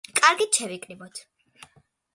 კარგით, შევკრიბოთ.